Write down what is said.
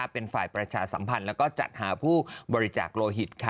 เป็นฝ่ายประชาสัมพันธ์และจัดหาผู้บริจาคโลหิต